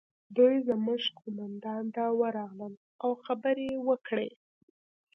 دوی زموږ قومندان ته ورغلل او خبرې یې وکړې